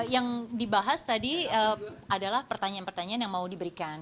yang dibahas tadi adalah pertanyaan pertanyaan yang mau diberikan